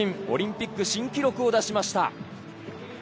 オリンピック新記録を出しました！